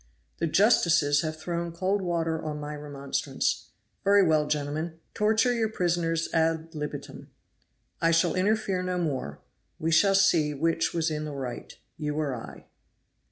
"The justices have thrown cold water on my remonstrance very well, gentlemen, torture your prisoners ad libitum; I shall interfere no more; we shall see which was in the right, you or I."